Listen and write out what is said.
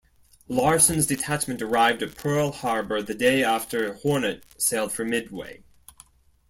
Larson's detachment arrived at Pearl Harbor the day after "Hornet" sailed for Midway.